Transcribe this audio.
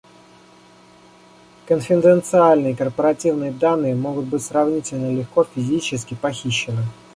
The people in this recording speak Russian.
Конфиденциальные корпоративные данные могут быть сравнительно легко физически похищены